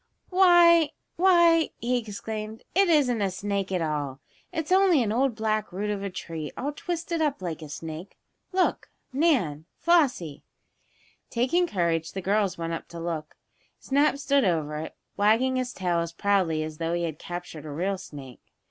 "Why why!" he exclaimed. "It isn't a snake at all! It's only an old black root of a tree, all twisted up like a snake! Look, Nan Flossie!" Taking courage, the girls went up to look. Snap stood over it, wagging his tail as proudly as though he had captured a real snake.